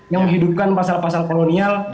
yang menghidupkan pasal pasal kolonial